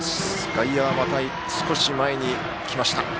外野は、また少し前に来ました。